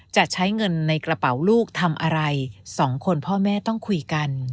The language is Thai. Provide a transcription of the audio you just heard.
จะใช้เงินในกระเป๋าลูกทำอะไรสองคนพ่อแม่ต้องคุยกัน